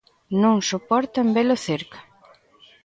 Non soportan velo cerca.